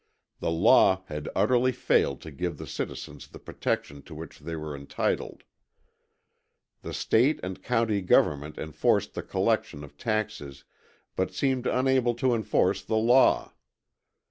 The law had utterly failed to give the citizens the protection to which they were entitled. The state and county government enforced the collection of taxes but seemed unable to enforce the law.